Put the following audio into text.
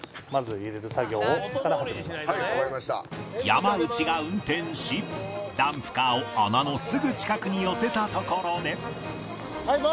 山内が運転しダンプカーを穴のすぐ近くに寄せたところで